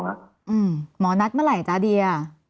หมอนัดเมื่อไหร่จ๊ะเดีย